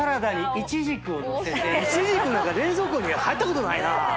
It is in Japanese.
イチジクなんか冷蔵庫に入ったことないなぁ。